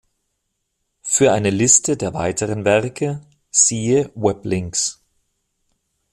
Für eine Liste der weiteren Werke siehe Weblinks.